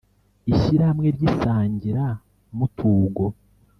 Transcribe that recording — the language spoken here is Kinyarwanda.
ishyirahamwe ry isangiramutugo